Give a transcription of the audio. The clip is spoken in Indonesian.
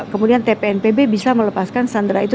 kemudian tpnpb bisa melepaskan sandra itu